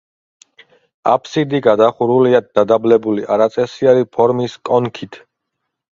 აფსიდი გადახურულია დადაბლებული, არაწესიერი ფორმის კონქით.